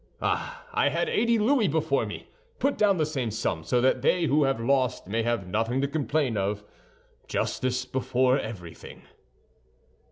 Ah, I had eighty louis before me; put down the same sum, so that they who have lost may have nothing to complain of. Justice before everything."